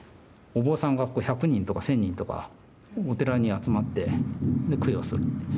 お坊さんが１００人とか１，０００人とかお寺に集まって供養する。